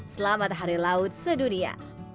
selamat hari laut sedunia